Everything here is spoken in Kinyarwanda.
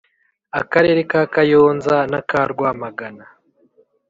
akarere ka Kayonza na ka Rwamagana